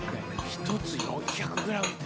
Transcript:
１つ４００ｇって。